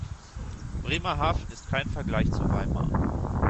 Bremerhaven ist kein Vergleich zu Weimar